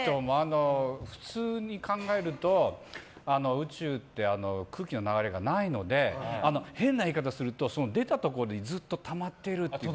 普通に考えると宇宙って、空気の流れがないので変な言い方すると出たところにずっとたまってる。